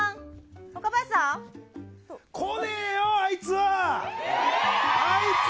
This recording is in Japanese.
来ねえよ、あいつは！